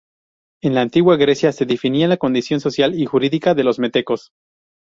En la Antigua Grecia se definía la condición social y jurídica de los metecos.